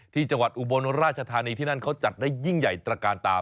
จังหวัดอุบลราชธานีที่นั่นเขาจัดได้ยิ่งใหญ่ตระการตา